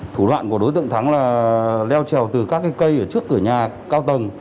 thủ đoạn của đối tượng thắng là leo trèo từ các cây ở trước cửa nhà cao tầng